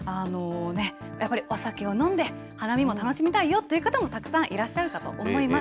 やっぱりお酒を飲んで、花見も楽しみたいよという方もたくさんいらっしゃるかと思います。